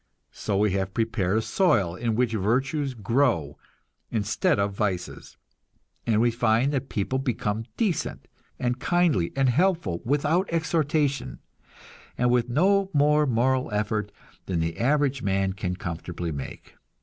So we have prepared a soil in which virtues grow instead of vices, and we find that people become decent and kindly and helpful without exhortation, and with no more moral effort than the average man can comfortably make.